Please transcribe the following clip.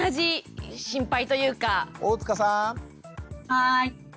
はい。